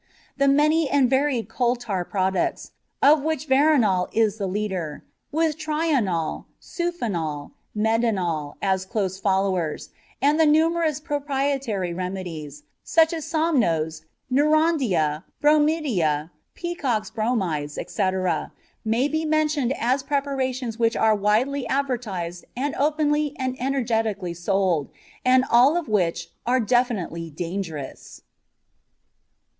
The many and varied coal tar products, of which veronal is the leader, with trional, suphonal, medinal, as close followers, and the numerous proprietary remedies, such as somnose, neuronidia, bromidia, Peacock's bromides, etc., may be mentioned as preparations which are widely advertised and openly and energetically sold, and all of which are definitely dangerous.